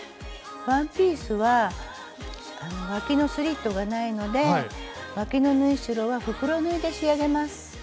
ワンピースはわきのスリットがないのでわきの縫い代は袋縫いで仕上げます。